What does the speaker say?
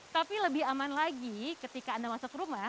tapi lebih aman lagi ketika anda masuk rumah